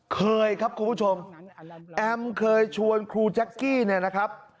เคยครับคุณผู้ชมแอมเคยชวนครูแจ๊กกี้เนี่ยนะครับ